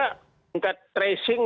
mengenai tracing dan tracing